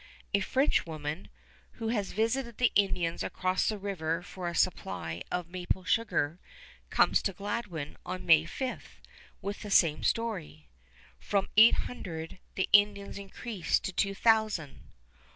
A French woman, who has visited the Indians across the river for a supply of maple sugar, comes to Gladwin on May 5 with the same story. From eight hundred, the Indians increase to two thousand.